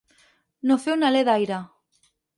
No fer un alè d'aire.